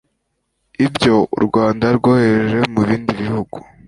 Ibyo u Rwanda rwohereje mu bindi bihugu